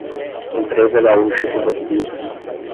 Empresa Gaúcha de Rodovias